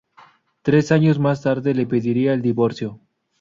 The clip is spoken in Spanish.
Tres años más tarde le pediría el divorcio.